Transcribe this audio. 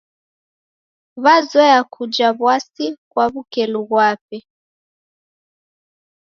Wazoye kuja w'asi kwa w'ukelu ghwape.